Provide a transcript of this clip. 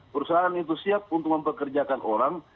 perusahaan itu siap untuk mempekerjakan orang